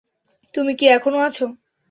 তুমি কি এখনও আছো?